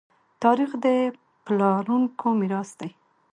تاریخ د پلارونکو میراث دی.